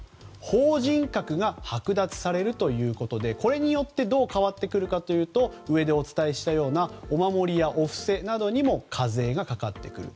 法人格がはく奪されるということでこれによってどう変わってくるかというとお守りやお布施などにも課税がかかってくる。